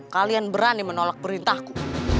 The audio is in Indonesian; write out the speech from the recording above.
kalian berani menolak perintahku